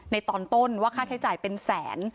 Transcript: ในตอนต้นว่าค่าใช้จ่ายเป็นแสน